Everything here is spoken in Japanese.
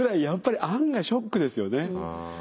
やっぱり案外ショックですよね。